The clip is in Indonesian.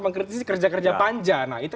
mengkritisi kerja kerja panja nah itu